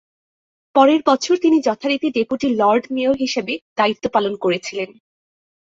পরের বছর তিনি যথারীতি ডেপুটি লর্ড মেয়র হিসাবে দায়িত্ব পালন করেছিলেন।